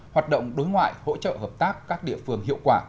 hoạt động đối ngoại hỗ trợ hợp tác các địa phương hiệu quả